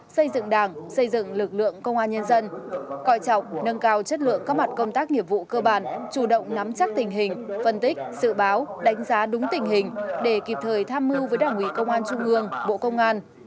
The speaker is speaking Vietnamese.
xây dựng đảng xây dựng lực lượng công an nhân dân coi trọng nâng cao chất lượng các mặt công tác nghiệp vụ cơ bản chủ động nắm chắc tình hình phân tích dự báo đánh giá đúng tình hình để kịp thời tham mưu với đảng ủy công an trung ương bộ công an